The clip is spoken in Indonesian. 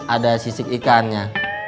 ada sisik ikannya